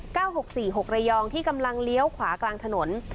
หกสี่หกระยองที่กำลังเลี้ยวขวากลางถนน